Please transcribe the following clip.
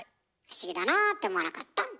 不思議だなあって思わなかった？